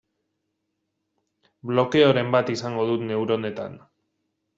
Blokeoren bat izango dut neuronetan.